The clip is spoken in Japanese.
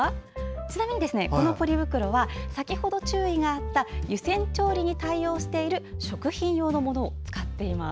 ちなみに、このポリ袋は先ほど注意があった湯煎調理に対応している食品用のものを使っています。